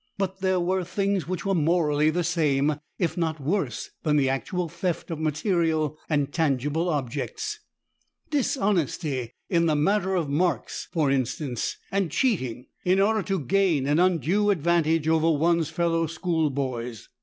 But there were things which were morally the same if not worse than the actual theft of material and tangible objects dishonesty in the matter of marks, for instance, and cheating in order to gain an undue advantage over one's fellow schoolboys.